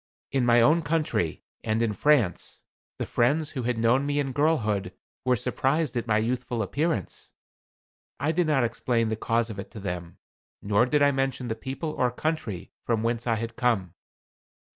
In my own country and in France, the friends who had known me in girlhood were surprised at my youthful appearance. I did not explain the cause of it to them, nor did I mention the people or country from whence I had come.